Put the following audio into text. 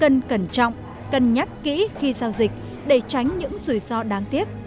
cần cẩn trọng cân nhắc kỹ khi giao dịch để tránh những rủi ro đáng tiếc